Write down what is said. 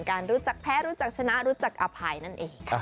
รู้จักแพ้รู้จักชนะรู้จักอภัยนั่นเอง